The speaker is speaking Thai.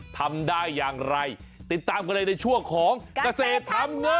ทำได้อย่างไรติดตามกันเลยในช่วงของเกษตรทำเงิน